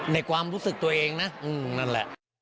ในความรู้สึกตัวเองนะนั่นแหละ